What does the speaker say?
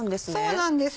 そうなんです。